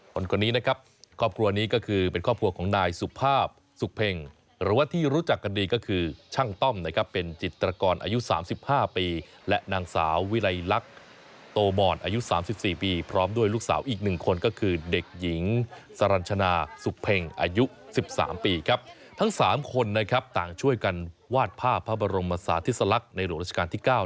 คนนี้นะครับครอบครัวนี้ก็คือเป็นครอบครัวของนายสุภาพสุขเพ็งหรือว่าที่รู้จักกันดีก็คือช่างต้อมนะครับเป็นจิตรกรอายุ๓๕ปีและนางสาววิลัยลักษณ์โตมอนอายุ๓๔ปีพร้อมด้วยลูกสาวอีกหนึ่งคนก็คือเด็กหญิงสรรชนาสุขเพ็งอายุ๑๓ปีครับทั้ง๓คนนะครับต่างช่วยกันวาดภาพพระบรมศาสติสลักษณ์ในหลวงราชการที่๙